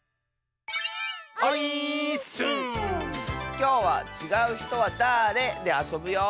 きょうは「ちがうひとはだれ？」であそぶよ！